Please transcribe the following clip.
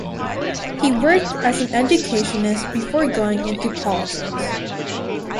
He worked as an educationist before going into politics.